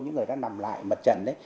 những người đã nằm lại mật trần